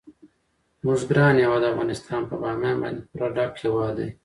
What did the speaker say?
زموږ ګران هیواد افغانستان په بامیان باندې پوره ډک هیواد دی.